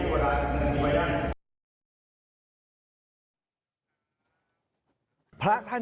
อุ้ยอุ้ยอุ้ย